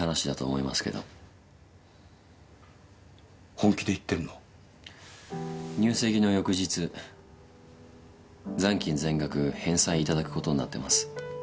本気で言ってるの？入籍の翌日残金全額返済いただくことになってます。